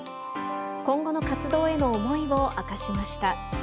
今後の活動への思いを明かしました。